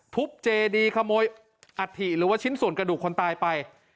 เจดีขโมยอัฐิหรือว่าชิ้นส่วนกระดูกคนตายไป